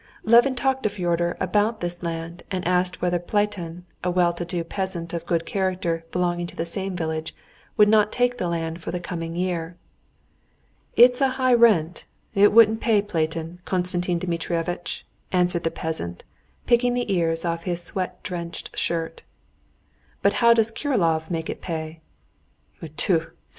Levin talked to Fyodor about this land and asked whether Platon, a well to do peasant of good character belonging to the same village, would not take the land for the coming year. "It's a high rent; it wouldn't pay Platon, Konstantin Dmitrievitch," answered the peasant, picking the ears off his sweat drenched shirt. "But how does Kirillov make it pay?" "Mituh!"